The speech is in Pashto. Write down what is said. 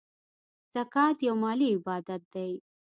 زکات یو مالی عبادت دی .